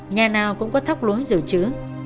nhà nào cũng có thóc lúa dự trữ